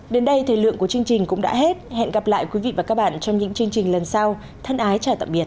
đến đây thời lượng của chương trình cũng đã hết hẹn gặp lại quý vị và các bạn trong những chương trình lần sau thân ái chào tạm biệt